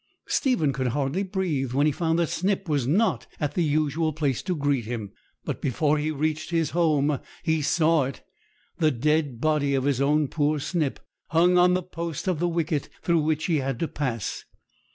Stephen could hardly breathe when he found that Snip was not at the usual place to greet him; but before he reached his home he saw it the dead body of his own poor Snip hung on the post of the wicket through which he had to pass.